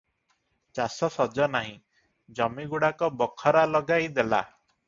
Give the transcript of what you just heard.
ଚାଷ ସଜ ନାହିଁ, ଜମିଗୁଡାକ ବଖରା ଲଗାଇ ଦେଲା ।